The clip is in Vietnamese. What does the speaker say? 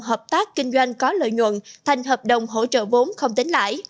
hợp tác kinh doanh có lợi nhuận thành hợp đồng hỗ trợ vốn không tính lãi